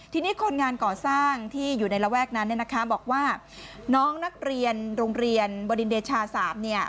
ทีนี้คนงานก่อสร้างที่อยู่ในระแวกนั้นเนี่ยนะคะบอกว่าน้องนักเรียนโรงเรียนบริณเดชา๓เนี่ย